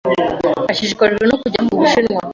Ashishikajwe no kujya mu Bushinwa.